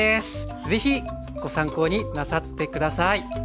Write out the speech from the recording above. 是非ご参考になさって下さい。